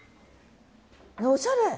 おしゃれ！